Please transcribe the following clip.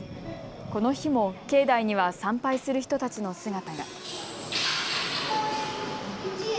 この日も境内には参拝する人たちの姿が。